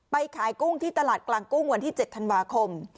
ไปขายกุ้งที่ตลาดกลางกุ้งวันที่๗ธันวาคม